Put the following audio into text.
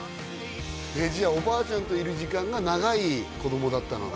じゃあおばあちゃんといる時間が長い子供だったのね